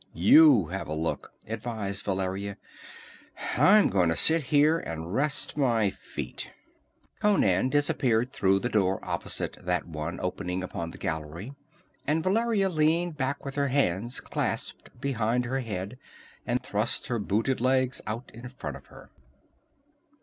"You have a look," advised Valeria. "I'm going to sit here and rest my feet." Conan disappeared through the door opposite that one opening upon the gallery, and Valeria leaned back with her hands clasped behind her head, and thrust her booted legs out in front of her.